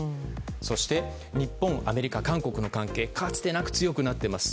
そして、日本、アメリカ韓国の関係がかつてなく強くなっています。